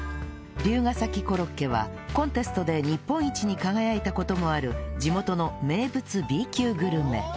龍ケ崎コロッケはコンテストで日本一に輝いた事もある地元の名物 Ｂ 級グルメ